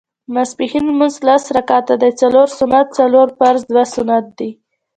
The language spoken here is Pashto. ماسپښېن لمونځ لس رکعته دی څلور سنت څلور فرض دوه سنت دي